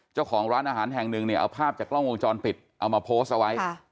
เจ้าของร้านอาหารแห่งหนึ่งเนี่ยเอาภาพจากกล้องวงจรปิดเอามาโพสต์เอาไว้